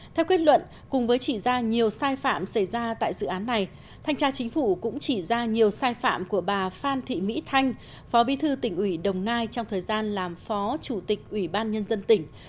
theo kết luận cùng với chỉ ra nhiều sai phạm xảy ra tại dự án này thanh tra chính phủ cũng chỉ ra nhiều sai phạm của bà phan thị mỹ thanh phó bí thư tỉnh ủy đồng nai trong thời gian làm phó chủ tịch ủy ban nhân dân tỉnh